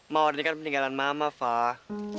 mawar ini kan peninggalan mama fah